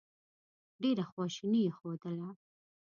ډېره خواشیني یې ښودله.